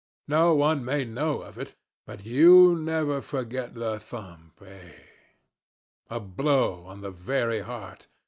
No one may know of it, but you never forget the thump eh? A blow on the very heart.